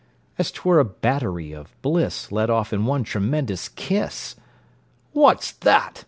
As 'twere a battery of bliss Let off in one tremendous kiss! "What's that?"